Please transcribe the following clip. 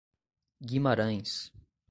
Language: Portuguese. Guimarães